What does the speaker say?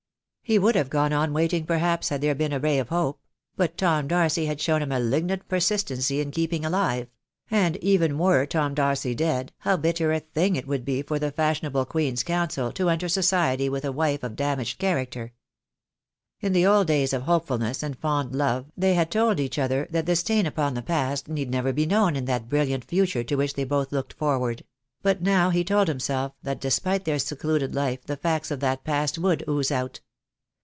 He would have gone on waiting perhaps had there been a ray of hope; but Tom Darcy had shown a malignant per sistency in keeping alive; and even were Tom Darcy dead how bitter a thing it would be for the fashionable Queen's Counsel to enter society with a wife of damaged character. In the old days of hopefulness and fond love they had told each other that the stain upon the past need never be known in that brilliant future to which they both looked forward; but now he told himself that despite their secluded life the facts of that past would ooze out.